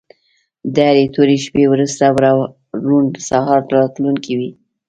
د هرې تورې شپې وروسته روڼ سهار راتلونکی وي.